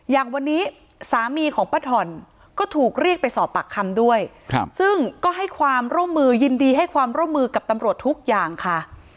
อย่างวันนี้สามีของป้าถ่อนก็ถูกเรียกไปสอบปากคำด้วยซึ่งก็ให้ความร่วมมือยินดีให้ความร่วมมือกับตำรวจทุกอย่างค่ะ